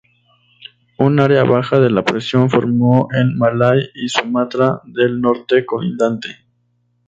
Un área baja de la presión formó en Malay y Sumatra del norte colindante.